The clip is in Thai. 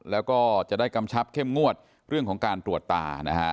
แล้วก็จะได้กำชับเข้มงวดเรื่องของการตรวจตานะฮะ